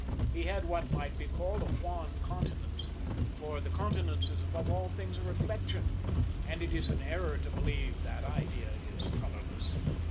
He had what might be called a wan countenance; for the countenance is above all things a reflection, and it is an error to believe that idea is colourless.